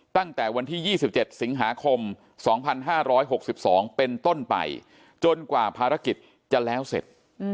ตั้งแต่วันที่๒๗สิงหาคม๒๕๖๒เป็นต้นไปจนกว่าภารกิจจะแล้วเสร็จ